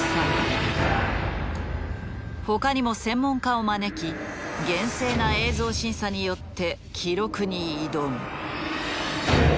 他にも専門家を招き厳正な映像審査によって記録に挑む。